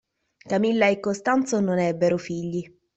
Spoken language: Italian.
Camilla e Costanzo non ebbero figli.